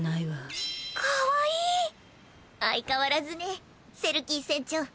相変わらずねセルキー船長。